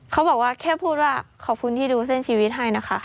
เขาบอกว่าแค่พูดว่าขอบคุณที่ดูเส้นชีวิตให้นะคะ